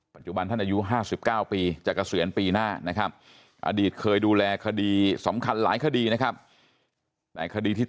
ปัจจุบันท่านอายุ๕๙ปี